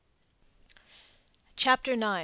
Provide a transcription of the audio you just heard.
CHAPTER IX.